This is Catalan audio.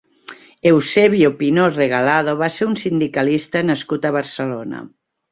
Eusebio Pinós Regalado va ser un sindicalista nascut a Barcelona.